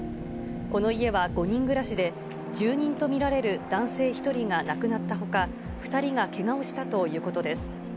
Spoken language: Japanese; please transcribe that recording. この家は５人暮らしで、住人と見られる男性１人が亡くなったほか、２人がけがをしたということです。